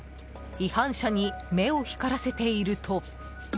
違反車に目を光らせていると。